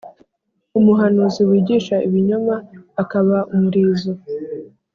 umuhanuzi wigisha ibinyoma, akaba umurizo.